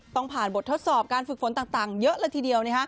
ต้องผ่านบททดสอบการฝึกฝนต่างเยอะเลยทีเดียว